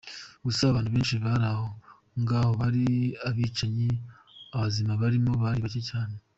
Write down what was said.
Gusa abantu benshi bari aho ngaho bari abicanyi, abazima barimo bari bake cyane.